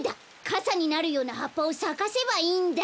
かさになるようなはっぱをさかせばいいんだ！